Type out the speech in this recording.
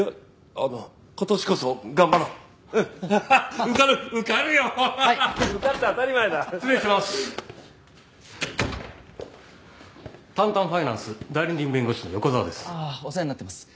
あっお世話になってます。